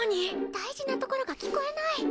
大事なところが聞こえない。